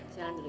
jalan dulu ya